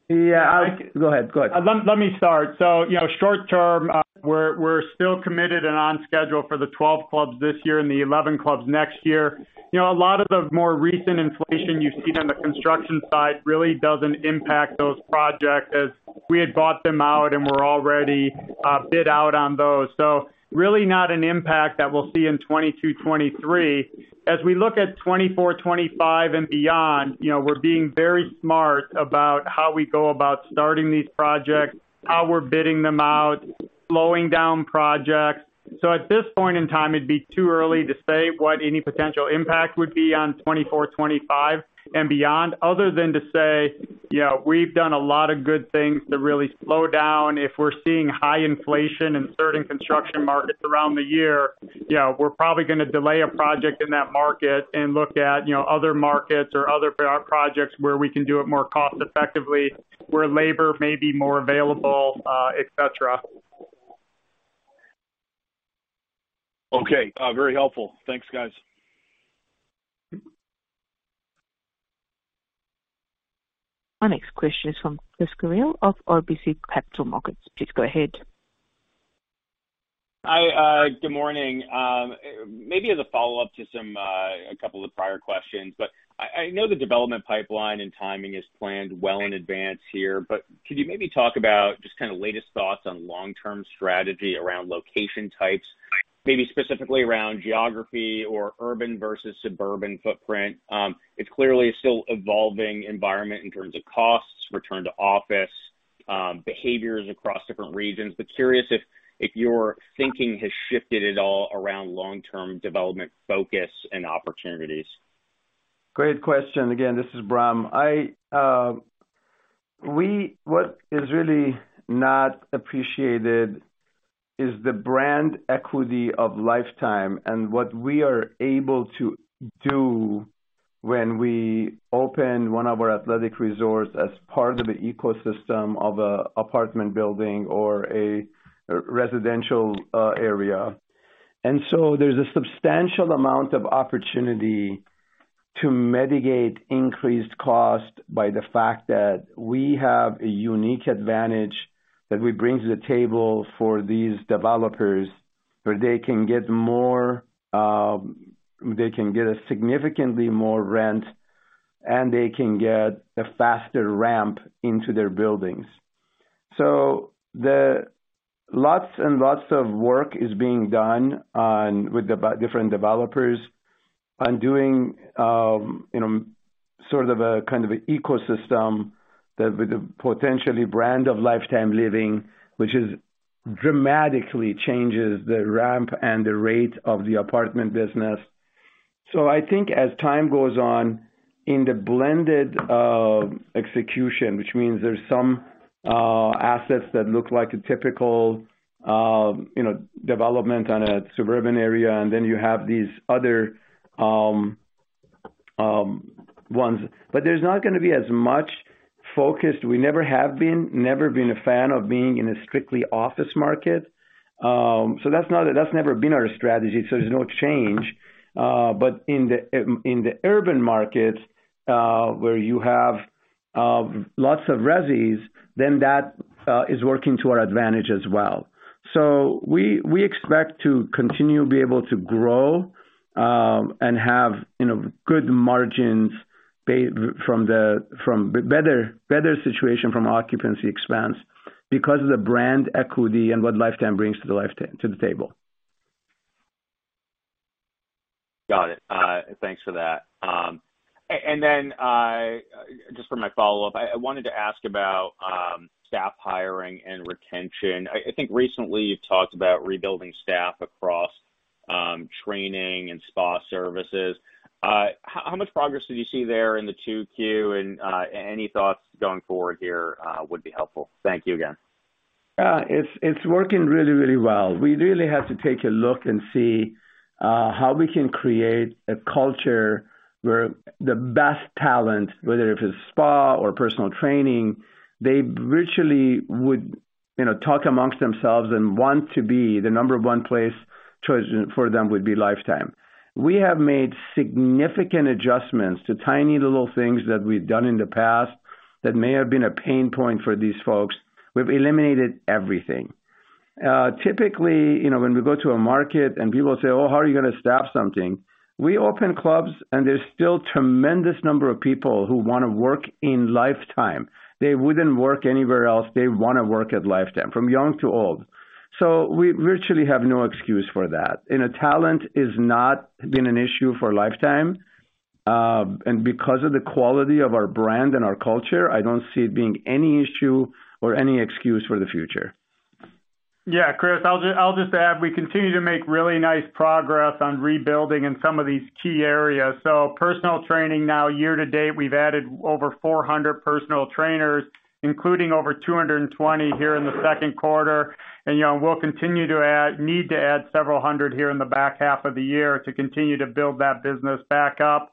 Yeah. Go ahead. Let me start. You know, short term, we're still committed and on schedule for the 12 clubs this year and the 11 clubs next year. You know, a lot of the more recent inflation you've seen on the construction side really doesn't impact those projects as we had bought them out and were already bid out on those. Really not an impact that we'll see in 2022, 2023. As we look at 2024, 2025 and beyond, you know, we're being very smart about how we go about starting these projects, how we're bidding them out, slowing down projects. At this point in time, it'd be too early to say what any potential impact would be on 2024, 2025 and beyond, other than to say, you know, we've done a lot of good things to really slow down. If we're seeing high inflation in certain construction markets around the year, you know, we're probably gonna delay a project in that market and look at, you know, other markets or other projects where we can do it more cost effectively, where labor may be more available, et cetera. Okay. Very helpful. Thanks, guys. Our next question is from Chris Carril of RBC Capital Markets. Please go ahead. Hi. Good morning. Maybe as a follow-up to some, a couple of the prior questions, but I know the development pipeline and timing is planned well in advance here, but could you maybe talk about just kind of latest thoughts on long-term strategy around location types, maybe specifically around geography or urban versus suburban footprint? It's clearly a still evolving environment in terms of costs, return to office, behaviors across different regions, but curious if your thinking has shifted at all around long-term development focus and opportunities. Great question. Again, this is Bram. What is really not appreciated is the brand equity of Life Time and what we are able to do when we open one of our athletic resorts as part of the ecosystem of a apartment building or a residential area. There's a substantial amount of opportunity to mitigate increased cost by the fact that we have a unique advantage that we bring to the table for these developers, where they can get significantly more rent, and they can get a faster ramp into their buildings. Lots and lots of work is being done with different developers on doing, you know, sort of a, kind of a ecosystem that with the potential brand of Life Time Living, which dramatically changes the ramp and the rate of the apartment business. I think as time goes on in the blended execution, which means there's some assets that look like a typical, you know, development on a suburban area, and then you have these other ones. There's not gonna be as much focus. We never have been a fan of being in a strictly office market. That's not. That's never been our strategy, so there's no change. In the urban markets, where you have lots of residences, that is working to our advantage as well. We expect to continue to be able to grow and have, you know, good margins from the better situation from occupancy expense because of the brand equity and what Life Time brings to the table. Got it. Thanks for that. Just for my follow-up, I wanted to ask about staff hiring and retention. I think recently you've talked about rebuilding staff across training and spa services. How much progress did you see there in the 2Q, and any thoughts going forward here would be helpful. Thank you again. It's working really well. We really had to take a look and see how we can create a culture where the best talent, whether if it's spa or personal training, they virtually would, you know, talk amongst themselves and want to be, the number one place choice for them would be Life Time. We have made significant adjustments to tiny little things that we've done in the past that may have been a pain point for these folks. We've eliminated everything. Typically, you know, when we go to a market and people say, "Oh, how are you gonna staff something?" We open clubs and there's still tremendous number of people who wanna work in Life Time. They wouldn't work anywhere else. They wanna work at Life Time, from young to old. We virtually have no excuse for that. You know, talent is not been an issue for Life Time. Because of the quality of our brand and our culture, I don't see it being any issue or any excuse for the future. Yeah, Chris, I'll just add, we continue to make really nice progress on rebuilding in some of these key areas. Personal training now year to date, we've added over 400 personal trainers, including over 220 here in the second quarter. You know, we'll continue to need to add several hundred here in the back half of the year to continue to build that business back up.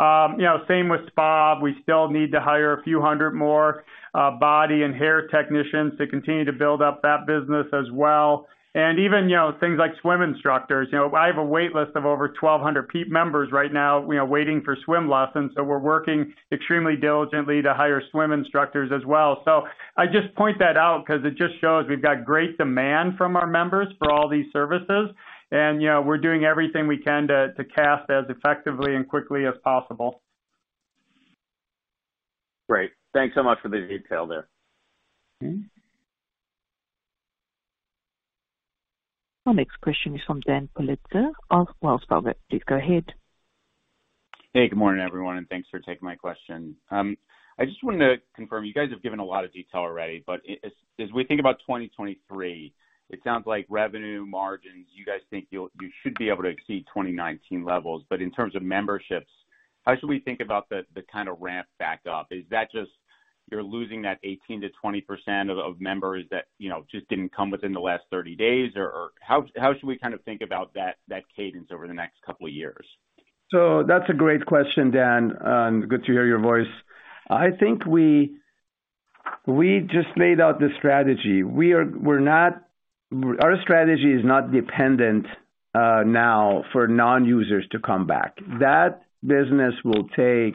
You know, same with spa. We still need to hire a few hundred more body and hair technicians to continue to build up that business as well. Even, you know, things like swim instructors. You know, I have a wait list of over 1,200 members right now waiting for swim lessons. We're working extremely diligently to hire swim instructors as well. I just point that out because it just shows we've got great demand from our members for all these services. You know, we're doing everything we can to cast as effectively and quickly as possible. Great. Thanks so much for the detail there. Okay. Our next question is from Daniel Politzer. Well, spell that. Please go ahead. Hey, good morning, everyone, and thanks for taking my question. I just wanted to confirm, you guys have given a lot of detail already, but as we think about 2023, it sounds like revenue margins, you guys think you should be able to exceed 2019 levels. But in terms of memberships, how should we think about the kind of ramp back up? Is that just you're losing that 18%-20% of members that, you know, just didn't come within the last 30 days? Or how should we kind of think about that cadence over the next couple of years? That's a great question, Dan, and good to hear your voice. I think we just laid out the strategy. Our strategy is not dependent now for non-users to come back. That business will take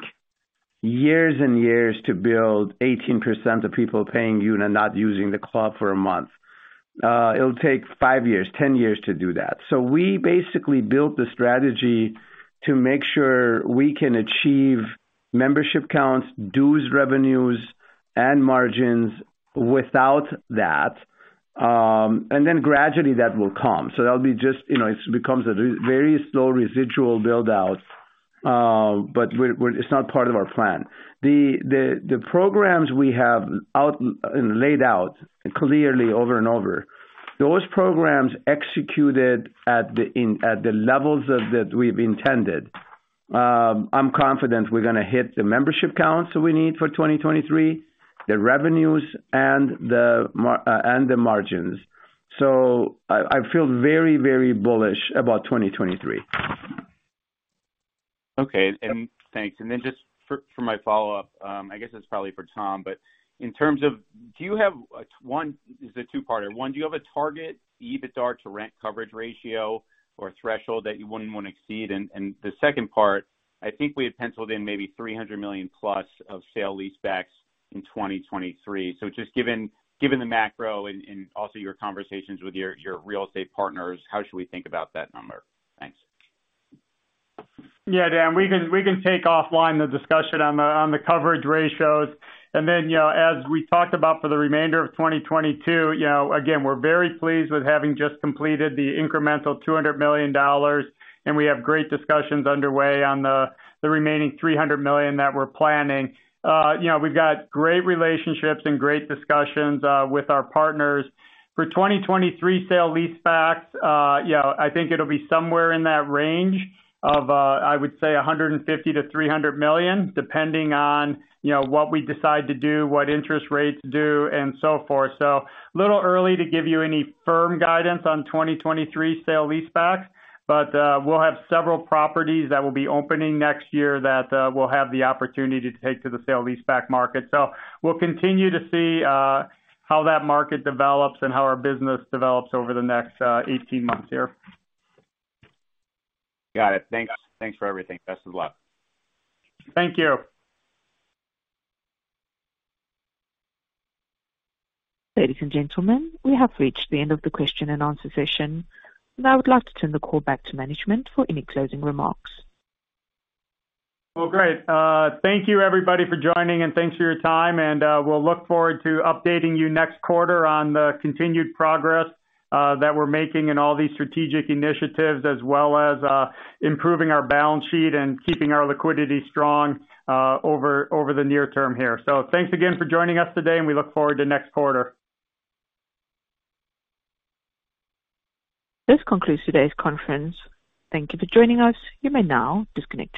years and years to build 18% of people paying you and not using the club for a month. It'll take five years, 10 years to do that. We basically built the strategy to make sure we can achieve membership counts, dues revenues, and margins without that. Thenf gradually that will come. That'll be just, you know, it becomes a very slow residual build out, but it's not part of our plan. The programs we have laid out clearly over and over, those programs executed at the levels that we've intended, I'm confident we're gonna hit the membership counts that we need for 2023, the revenues and the margins. I feel very bullish about 2023. Okay. Thanks. Then just for my follow-up, I guess it's probably for Tom, but in terms of do you have one. It's a two-parter. One, do you have a target EBITDA to rent coverage ratio or threshold that you wouldn't wanna exceed? The second part, I think we had penciled in maybe $300 million plus of sale-leasebacks in 2023. Just given the macro and also your conversations with your real estate partners, how should we think about that number? Thanks. Yeah, Dan. We can take offline the discussion on the coverage ratios. You know, as we talked about for the remainder of 2022, you know, again, we're very pleased with having just completed the incremental $200 million, and we have great discussions underway on the remaining $300 million that we're planning. You know, we've got great relationships and great discussions with our partners. For 2023 sale-leasebacks, you know, I think it'll be somewhere in that range of, I would say $150-$300 million, depending on, you know, what we decide to do, what interest rates do and so forth. A little early to give you any firm guidance on 2023 sale-leasebacks, but we'll have several properties that will be opening next year that we'll have the opportunity to take to the sale-leaseback market. We'll continue to see how that market develops and how our business develops over the next 18 months here. Got it. Thanks. Thanks for everything. Best of luck. Thank you. Ladies and gentlemen, we have reached the end of the question-and-answer session, and I would like to turn the call back to management for any closing remarks. Well, great. Thank you everybody for joining, and thanks for your time. We'll look forward to updating you next quarter on the continued progress that we're making in all these strategic initiatives, as well as improving our balance sheet and keeping our liquidity strong over the near term here. Thanks again for joining us today, and we look forward to next quarter. This concludes today's conference. Thank you for joining us. You may now disconnect your lines.